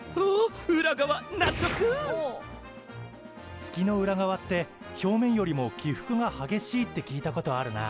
月の裏側って表面よりも起伏が激しいって聞いたことあるなあ。